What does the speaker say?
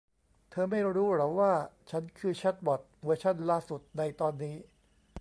เธอไม่รู้หรอว่าฉันคือแชทบอท เวอร์ชั่นล่าสุดในตอนนี้